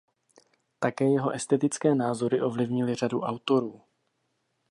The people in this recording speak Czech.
Také jeho estetické názory ovlivnily řadu autorů.